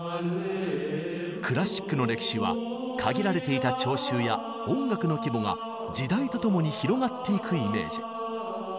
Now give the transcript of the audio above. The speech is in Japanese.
クラシックの歴史は限られていた聴衆や音楽の規模が時代とともに広がっていくイメージ。